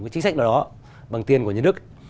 chính sách nào đó bằng tiền của nhà nước